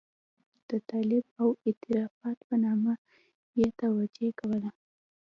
د طالب او افراطيت په نامه یې توجیه کوله.